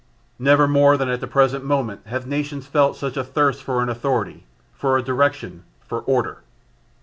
Never more than at the present moment have the nations felt such a thirst for an authority, for a direction, for order.